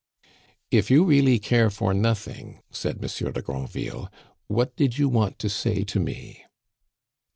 "If you really care for nothing," said Monsieur de Granville, "what did you want to say to me?"